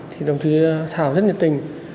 thì đồng chí thảo rất nhiệt tình